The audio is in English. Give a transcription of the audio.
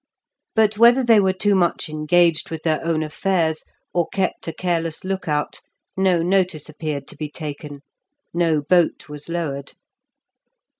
But whether they were too much engaged with their own affairs, or kept a careless look out, no notice appeared to be taken, no boat was lowered.